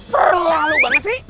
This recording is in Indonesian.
terlalu banget sih